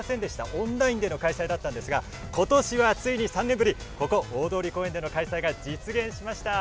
オンラインの開催だったんですがついに３年ぶり大通公園での開催が実現しました。